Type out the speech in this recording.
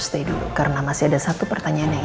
saya sudah menjawab semua pertanyaan ibu